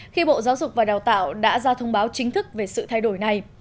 khi bộ giáo dục và đào tạo đã ra thông báo chính thức về sự thay đổi này